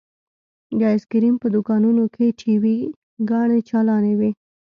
د ايسکريم په دوکانونو کښې ټي وي ګانې چالانې وې.